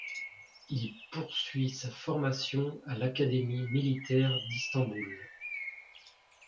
Il poursuit sa formation à l'académie militaire d'Istanbul.